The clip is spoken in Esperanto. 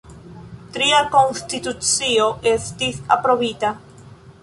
Tria konstitucio estis aprobita.